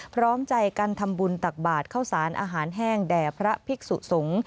พร้อมใจกันทำบุญตักบาทเข้าสารอาหารแห้งแด่พระภิกษุสงฆ์